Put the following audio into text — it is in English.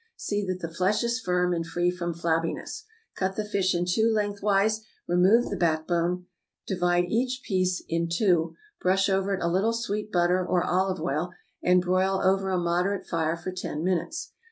See that the flesh is firm, and free from flabbiness. Cut the fish in two lengthwise, remove the backbone, divide each piece in two; brush over it a little sweet butter or olive oil, and broil over a moderate fire for ten minutes.